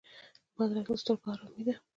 بادرنګ د سترګو آرامي ده.